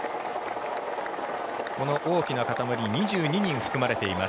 この大きな固まり２２人含まれています。